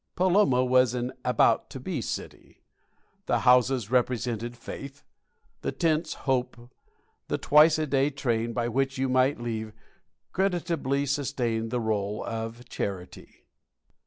Paloma was an about to be city. The houses represented faith; the tents hope; the twice a day train, by which you might leave, creditably sustained the rôle of charity.